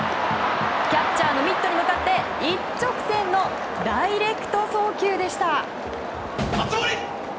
キャッチャーのミットに向かって一直線のダイレクト送球でした。